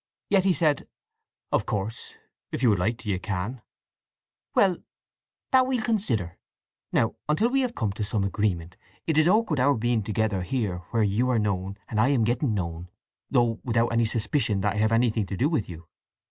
Yet he said, "Of course, if you'd like to, you can." "Well, that we'll consider… Now, until we have come to some agreement it is awkward our being together here—where you are known, and I am getting known, though without any suspicion that I have anything to do with you.